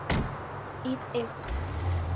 Id est